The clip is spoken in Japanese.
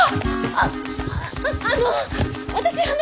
あっあの私あの！